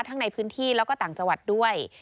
ทั้งในพื้นที่แล้วก็ต่างจังหวัดด้วย